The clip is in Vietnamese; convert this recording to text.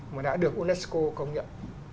mà đã được unesco công nhận